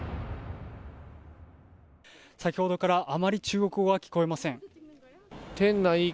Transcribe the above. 先ほどからあまり中国語は聞こえません。